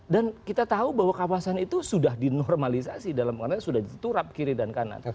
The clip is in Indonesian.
dan kita tahu bahwa kawasan itu sudah dinormalisasi dalam makna sudah diturap kiri dan kanan